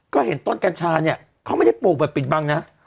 ก็เห็นต้นกัญชาเนี่ยเขาไม่ได้ปลูกแบบปิดบังนะ